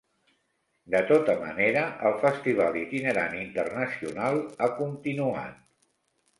De tota manera, el festival itinerant internacional ha continuat.